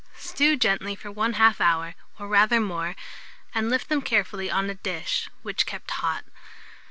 Stew gently for 1/2 hour, or rather more, and lift them carefully on a dish, which keep hot.